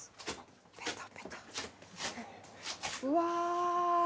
うわ。